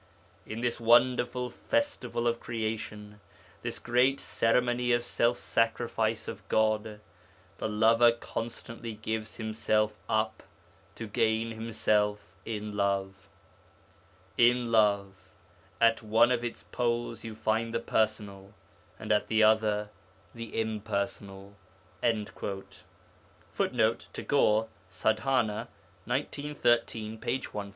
'In this wonderful festival of creation, this great ceremony of self sacrifice of God, the lover constantly gives himself up to gain himself in love.... 'In love, at one of its poles you find the personal, and at the other the impersonal.' [Footnote: Tagore, Sadhana (1913), p. 114.